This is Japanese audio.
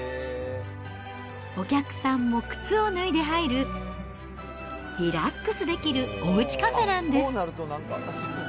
お客さんも靴を脱いで入る、リラックスできるおうちカフェなんです。